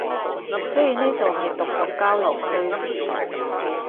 所以呢度係毒毒交流區